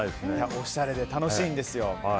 おしゃれで楽しいんですよ。